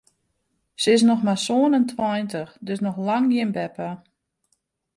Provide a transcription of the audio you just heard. Se is noch mar sân en tweintich, dus noch lang gjin beppe.